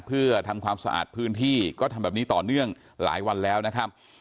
เพื่อทำความสะอาดพื้นที่ก็ทำแบบนี้ต่อเนื่องหลายวันแล้วนะครับ